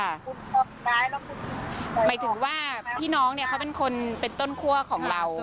คุณก็ได้ลงชื่อหมายถึงว่าพี่น้องเนี่ยเขาเป็นคนเป็นต้นคั่วของเรา